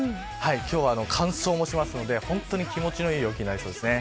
今日は乾燥もしますので本当に気持ちのいい陽気になりそうです。